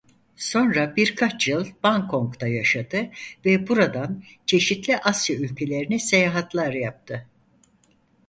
Sonra birkaç yıl Bangkok'ta yaşadı ve buradan çeşitli Asya ülkelerine seyahatler yaptı.